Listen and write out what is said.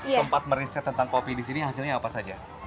sempat meriset tentang kopi disini hasilnya apa saja